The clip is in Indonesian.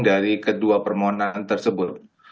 dari kedua permohonan tersebut